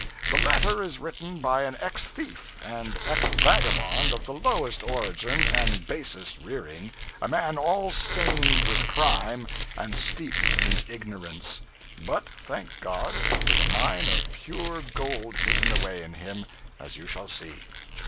The letter is written by an ex thief and ex vagabond of the lowest origin and basest rearing, a man all stained with crime and steeped in ignorance; but, thank God, with a mine of pure gold hidden away in him, as you shall see.